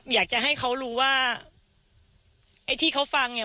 อยากจะให้เขารู้ว่าไอ้ที่เขาฟังเนี่ย